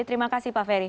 terima kasih pak ferry